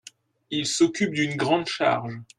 Il s'occupe d'une grande charge.